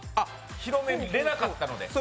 広めれなかったので。